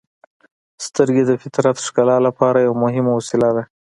• سترګې د فطرت ښکلا لپاره یوه مهمه وسیله ده.